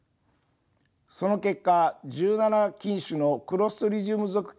その結果１７菌種のクロストリジウム属菌が定着します。